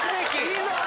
いいぞ！